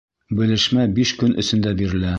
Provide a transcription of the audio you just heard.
Белешмә биш көн эсендә бирелә.